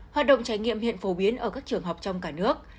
hoạt động trải nghiệm hiện phổ biến ở các trường học trong cả nước